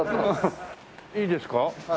いいですか？